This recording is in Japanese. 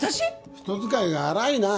人使いが荒いなあ。